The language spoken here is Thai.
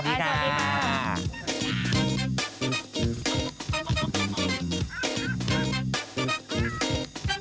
ผมใดไปถามตั้งแสดน